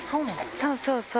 そうそうそう。